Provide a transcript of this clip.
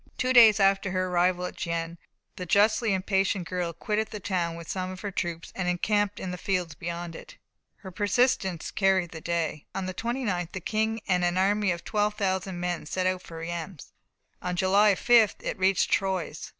Two days after her arrival at Gien, the justly impatient girl quitted the town with some of her troops and encamped in the fields beyond it. Her persistence carried the day. On the 29th, the King and an army of 12,000 men set out for Reims. On July 5th it reached Troyes.